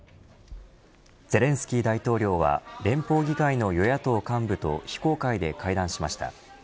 ゼレンスキー大統領は連邦議会の与野党幹部と非公開で会談しました。